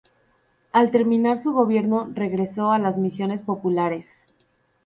Al terminar su gobierno regresó a las misiones populares.